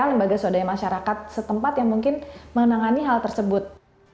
lembaga swadaya masyarakat setempat yang mungkin menangani hal tersebut